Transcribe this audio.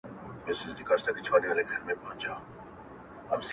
د ژوندون نور وړی دی اوس په مدعا يمه زه ـ